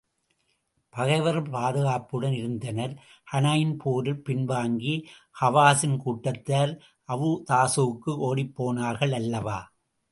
பகைவர்கள் பாதுகாப்புடன் இருந்தனர் ஹூனைன் போரில் பின்வாங்கி, ஹவாஸின் கூட்டத்தார் அவுத்தாசுக்கு ஓடிப் போனார்கள் அல்லவா?